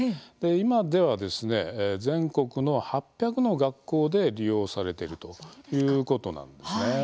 今では全国の８００の学校で利用されているということなんです。